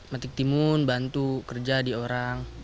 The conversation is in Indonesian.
metik timun bantu kerja di orang